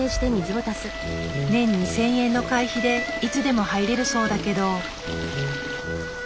年２，０００円の会費でいつでも入れるそうだけど。